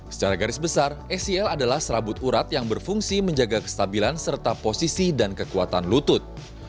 secara garis besar acl adalah serabut urat yang berfungsi menjaga kestabilan serta posisi dan kekuatan lutut